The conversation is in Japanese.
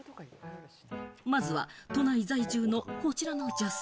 まずは都内在住のこちらの女性。